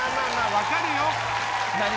分かるよ。